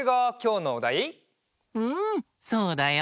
うんそうだよ。